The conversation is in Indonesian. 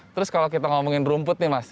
terus kalau kita ngomongin rumput nih mas